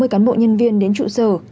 sáu mươi cán bộ nhân viên đến trụ sở